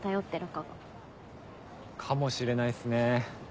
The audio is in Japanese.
かもしれないっすね。